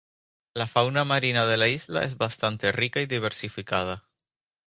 La fauna marina de la isla es bastante rica y diversificada.